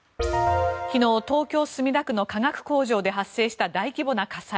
昨日、東京・墨田区の化学工場で発生した大規模な火災。